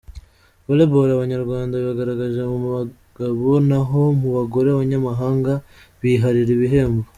Volleyball: Abanyarwanda bigaragaje mu bagabo, naho mu bagore abanyamahanga biharira ibihembo.